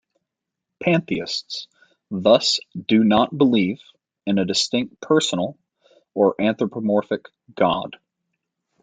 Pantheists thus do not believe in a distinct personal or anthropomorphic god.